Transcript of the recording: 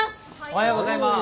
おはようございます！